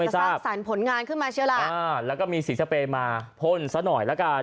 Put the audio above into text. อยากจะสร้างสารผลงานขึ้นมาเชียวละอ่าแล้วก็มีสีสเปนมาพ่นสักหน่อยแล้วกัน